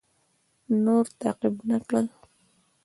نور تعقیب نه کړ.